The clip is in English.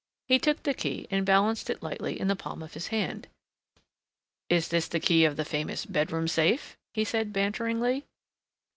He took the key and balanced it lightly in the palm of his hand. "Is this the key of the famous bedroom safe?" he said banteringly.